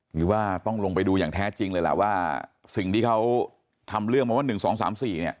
หรือว่าต้องลงไปดูอย่างแท้จริงเลยล่ะว่าสิ่งที่เขาทำเรื่องมาว่า๑๒๓๔เนี่ย